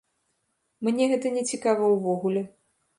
Мне гэта нецікава ўвогуле.